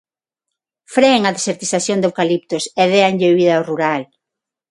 Freen a desertización de eucaliptos e déanlle vida ao rural.